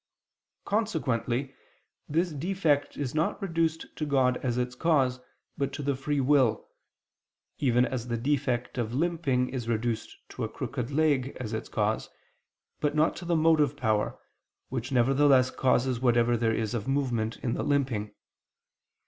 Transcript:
Consequently this defect is not reduced to God as its cause, but to the free will: even as the defect of limping is reduced to a crooked leg as its cause, but not to the motive power, which nevertheless causes whatever there is of movement in the limping.